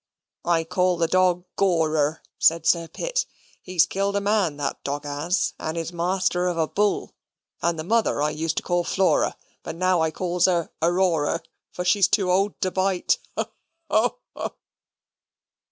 "I call the dog Gorer," said Sir Pitt; "he's killed a man that dog has, and is master of a bull, and the mother I used to call Flora; but now I calls her Aroarer, for she's too old to bite.